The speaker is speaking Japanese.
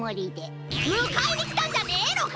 むかえにきたんじゃねえのか！？